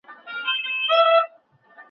ما پرون په نیمه شپه کي پیر په خوب کي دی لیدلی ,